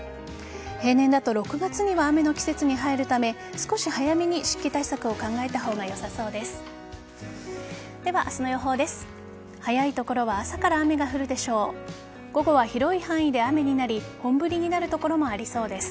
平年だと６月には雨の季節に入るため少し早めに湿気対策を考えたほうがよさそうです。